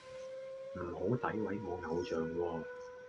唔好詆毀我偶像喎